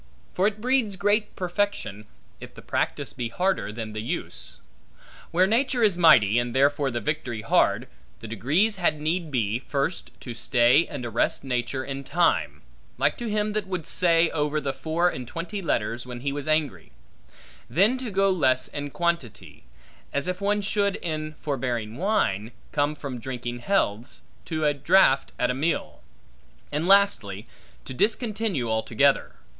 For it breeds great perfection, if the practice be harder than the use. Where nature is mighty, and therefore the victory hard, the degrees had need be, first to stay and arrest nature in time; like to him that would say over the four and twenty letters when he was angry; then to go less in quantity; as if one should, in forbearing wine, come from drinking healths, to a draught at a meal; and lastly, to discontinue altogether.